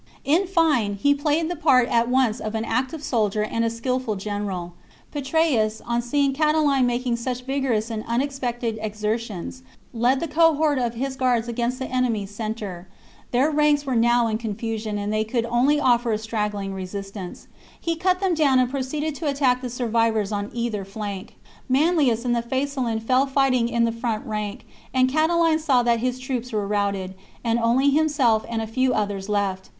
In fine, he played the part at once of an active soldier and a skilful general. Petreius, on seeing Catiline making such vigorous and unexpected exertions, led the cohort of his guards against the enemies' centre. Their ranks were now in confusion, and they could only offer a straggling resistance ; he cut them down and proceeded to attack the survivors on either flank. Manlius and the Faesulan fell fighting in the front rank, and Catiline saw that his troops were routed, and only himself and a few others left.